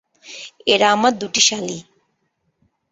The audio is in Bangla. এঁরা আমার দুটি শ্যালী।